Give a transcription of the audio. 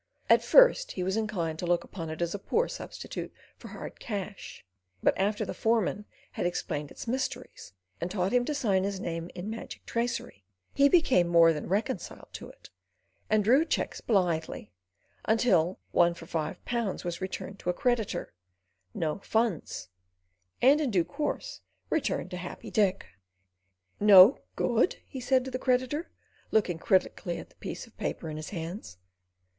At first he was inclined to look upon it as a poor substitute for hard cash; but after the foreman had explained its mysteries, and taught him to sign his name in magic tracery, he became more than reconciled to it and drew cheques blithely, until one for five pounds was returned to a creditor: no funds—and in due course returned to Happy Dick. "No good?" he said to the creditor, looking critically at the piece of paper in his hands.